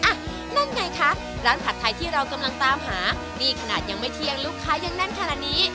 อ่ะนั่นไงคะร้านผัดไทยที่เรากำลังตามหานี่ขนาดยังไม่เที่ยงลูกค้ายังแน่นขนาดนี้